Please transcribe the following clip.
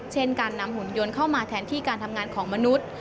เช่นการนำหุ่นยนต์เข้ามาแทนที่การทำงานของมนุษย์